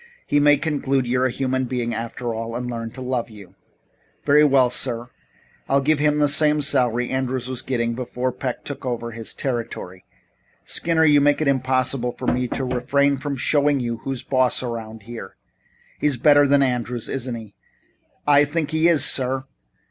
He may conclude you're a human being, after all, and learn to love you?" "Very well, sir. I'll give him the same salary Andrews was getting before Peck took over his territory." "Skinner, you make it impossible for me to refrain from showing you who's boss around here. He's better than Andrews, isn't he?" "I think he is, sir."